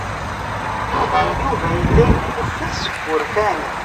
Yuba yella yekkuffet seg wurfan.